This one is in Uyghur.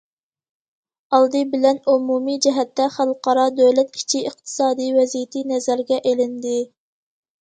ئالدى بىلەن ئومۇمىي جەھەتتە خەلقئارا، دۆلەت ئىچى ئىقتىسادى ۋەزىيىتى نەزەرگە ئېلىندى.